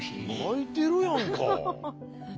描いてるやんか。